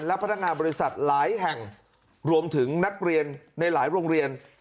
และพนักงานบริษัทหลายแห่งรวมถึงนักเรียนในหลายโรงเรียน